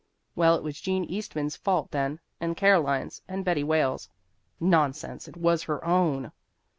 Well, it was Jean Eastman's fault then, and Caroline's, and Betty Wales's. Nonsense! it was her own.